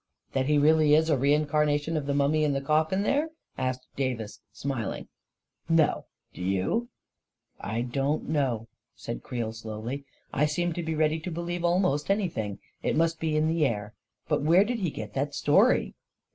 44 That he really is a re incarnation of the mummy in the coffin there ?" asked Davis, smiling. " No. Do you?" 14 1 don't know," said Creel, slowly. 44 1 seem to be ready to believe almost anything — it must be in the air ! But where did he get that story?